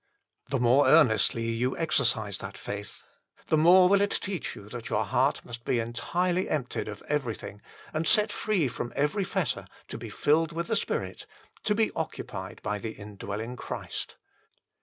The more earnestly you exercise that faith, the more will it teach you that your heart must be entirely emptied of everything and set free from every fetter, to be filled with the Spirit, to be occupied by the indwelling Christ.